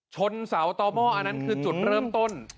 ชนเสาต่อหม้ออันนั้นคือจุดเริ่มต้น